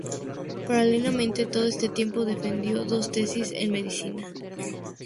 Paralelamente, todo este tiempo defendió dos tesis en medicina.